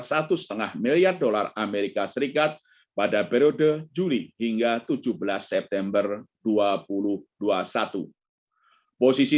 satu setengah miliar dolar amerika serikat pada periode juli hingga tujuh belas september dua ribu dua puluh satu posisi